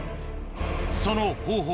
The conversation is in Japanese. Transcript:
その方法